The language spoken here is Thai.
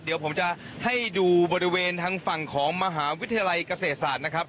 เดี๋ยวผมจะให้ดูบริเวณทางฝั่งของมหาวิทยาลัยเกษตรศาสตร์นะครับ